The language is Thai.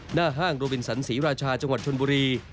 หน้าห้างโรบินสันศรีราชาจังหวัดชนบุรี